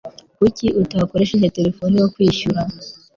Kuki utakoresheje terefone yo kwishyura?